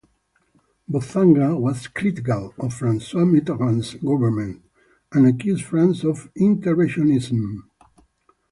Bozanga was critical of Francois Mitterrand's government and accused France of interventionism.